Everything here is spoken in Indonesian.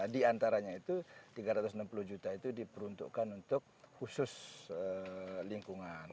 di antaranya itu tiga ratus enam puluh juta itu diperuntukkan untuk khusus lingkungan